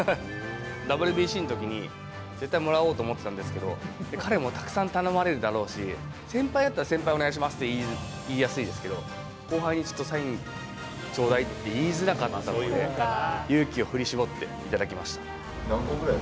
ＷＢＣのときに、絶対もらおうと思ってたんですけど、彼もたくさん頼まれるだろうし、先輩だったら、先輩、お願いしますって言いやすいんですけど、後輩にちょっとサインちょうだいって言いづらかったので、勇気を何個ぐらい？